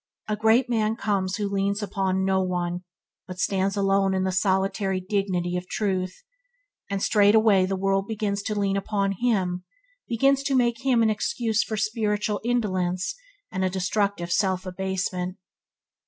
A great man comes who leans upon no one, but stands alone in the solitary dignity of truth, and straightway the world begins to lean upon him, begins to make him an excuse for spiritual indolence and a destructive self abasement.